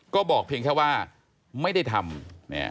ก็บอกเพียงแค่ว่าไม่ได้ทำเนี่ยนะฮะ